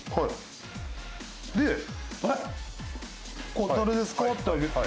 こう「誰ですか？」って開けて。